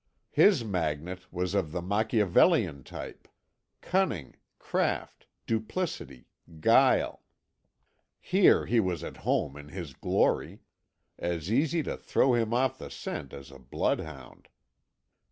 His magnet was of the Machiavellian type. Cunning, craft, duplicity, guile here he was at home in his glory. As easy to throw him off the scent as a bloodhound.